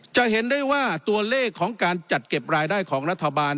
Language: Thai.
จะเห็นได้ว่าตัวเลขของการจัดเก็บรายได้ของรัฐบาล